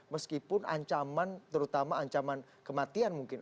meskipun ancaman terutama ancaman kematian mungkin